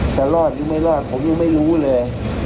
จะรอดหรือไม่รอดผมยังไม่รู้เลย